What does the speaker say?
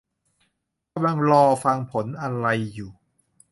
ถ้ากำลังรอฟังผลอะไรอยู่